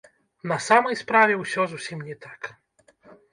На самай справе ўсё зусім не так.